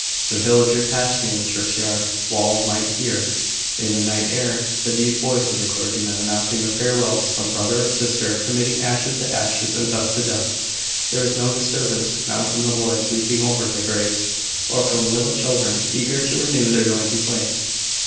The villager passing the churchyard wall might hear, in the night air, the deep voice of the clergyman announcing the farewell to some brother or sister, committing "ashes to ashes, and dust to dust." There was no disturbance now from boys leaping over the graves, or from little children, eager to renew their noisy play.